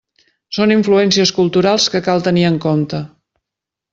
Són influències culturals que cal tenir en compte.